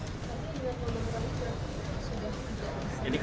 sudah datang ya